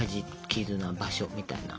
絆場所みたいな。